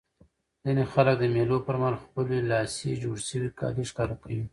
ځيني خلک د مېلو پر مهال خپلي لاسي جوړ سوي کالي ښکاره کوي.